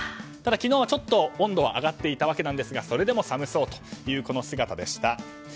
ただ、昨日はちょっと温度は上がっていたわけですがそれでも寒そうというこの姿でした。